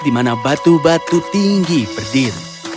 dimana batu batu tinggi berdiri